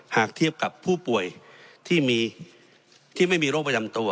หากเทียบกับผู้ป่วยที่ไม่มีโรคประจำตัว